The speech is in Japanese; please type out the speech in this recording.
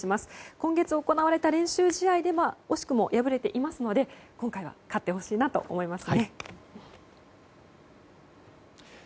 今月行われた練習試合では惜しくも敗れていますので今回は勝ってほしいなと思います。